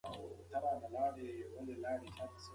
د څېړنې تفسیر له پخوانیو څېړنو توپیر لري.